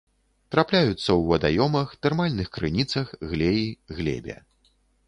Трапляюцца ў вадаёмах, тэрмальных крыніцах, глеі, глебе.